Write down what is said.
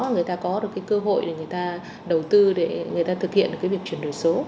người ta có được cái cơ hội để người ta đầu tư để người ta thực hiện cái việc chuyển đổi số